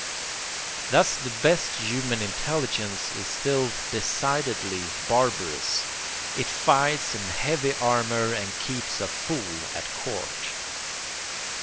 Thus the best human intelligence is still decidedly barbarous; it fights in heavy armour and keeps a fool at court.